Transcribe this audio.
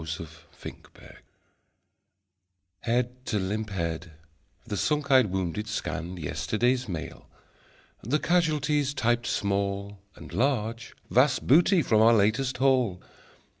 Smile, Smile, Smile Head to limp head, the sunk eyed wounded scanned Yesterday's Mail; the casualties (typed small) And (large) Vast Booty from our Latest Haul.